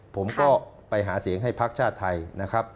ผมก็ไปหาเสียงให้พักชาติไทยนะครับ